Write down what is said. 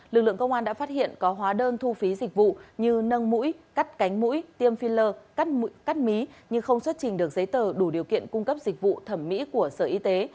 lực lượng công an đã phát hiện có hóa đơn thu phí dịch vụ như nâng mũi cắt cánh mũi tiêm filler cắt mỹ nhưng không xuất trình được giấy tờ đủ điều kiện cung cấp dịch vụ thẩm mỹ của sở y tế